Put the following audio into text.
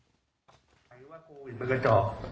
ใครว่าโควิดมันกระจอก